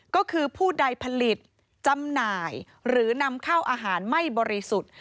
ก็คือผู้ใดผลิตจำหน่ายหรือนำเข้าอาหารไม่บริสุทธิ์